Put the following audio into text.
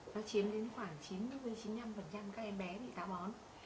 nó chiếm đến khoảng chín mươi năm các em bé bị táo bón